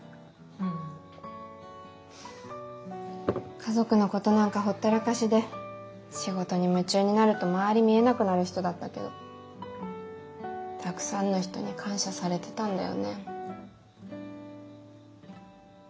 家族のことなんかほったらかしで仕事に夢中になると周り見えなくなる人だったけどたくさんの人に感謝されてたんだよね。